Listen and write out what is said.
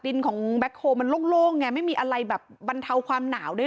ดินของแบ็คโฮลมันโล่งไงไม่มีอะไรแบบบรรเทาความหนาวด้วย